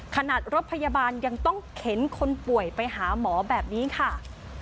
รถพยาบาลยังต้องเข็นคนป่วยไปหาหมอแบบนี้ค่ะ